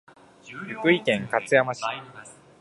福井県勝山市